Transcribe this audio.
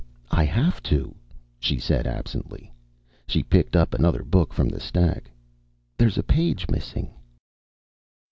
"I have to," she said absently. She picked up another book from the stack. "There's a page missing."